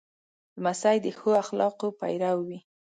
لمسی د ښو اخلاقو پیرو وي.